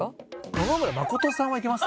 野々村真さんはいけます？